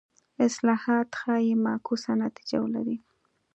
اصلاحات ښايي معکوسه نتیجه ولري.